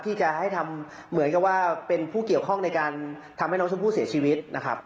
ที่จะให้ทำเหมือนกับว่าเป็นผู้เกี่ยวข้องในการทำให้น้องชมพู่เสียชีวิตนะครับ